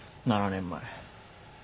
７年前。